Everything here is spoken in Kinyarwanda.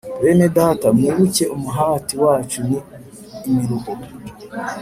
Bene Data mwibuke umuhati wacu n imiruho